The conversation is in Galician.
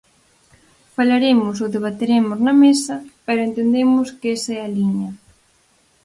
Falaremos ou debateremos na mesa, pero entendemos que esa é a liña.